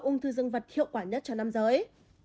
ung thư dân vật hiệu quả nhất cho nam giới